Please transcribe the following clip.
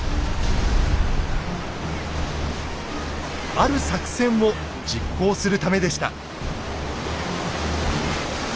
ある作戦を実行するためでした。